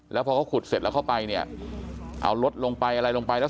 แล้วพอเขาขุดเสร็จแล้วเข้าไปเนี่ยเอารถลงไปอะไรลงไปแล้ว